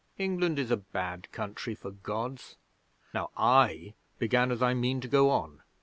England is a bad country for Gods. Now, I began as I mean to go on.